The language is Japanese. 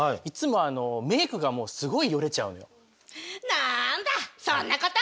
なんだそんなこと？